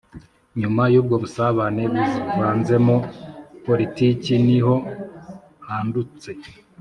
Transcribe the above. nyuma y'ubwo busabane buvanzemo politiki, ni ho hadutse